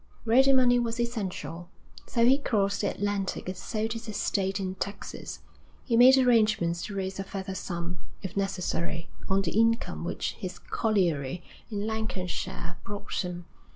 Ready money was essential, so he crossed the Atlantic and sold his estate in Texas; he made arrangements to raise a further sum, if necessary, on the income which his colliery in Lancashire brought him.